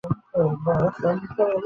জবা ফুলের অমরাবিন্যাস কোন প্রকৃতির?